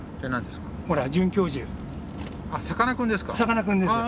さかなクンですか？